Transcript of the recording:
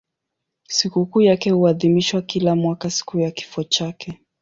Sikukuu yake huadhimishwa kila mwaka siku ya kifo chake.